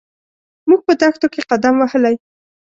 موږ په دښتو کې قدم وهلی.